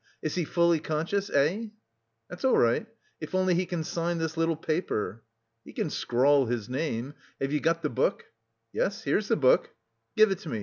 Is he fully conscious, eh?" "That's all right. If only he can sign this little paper." "He can scrawl his name. Have you got the book?" "Yes, here's the book." "Give it to me.